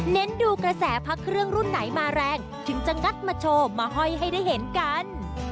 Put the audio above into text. เน้นดูกระแสพระเครื่องรุ่นไหนมาแรงถึงจะงัดมาโชว์มาห้อยให้ได้เห็นกัน